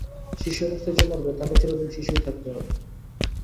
শিশু অবস্থায় যে মরবে, তাকে চিরদিন শিশুই থাকতে হবে।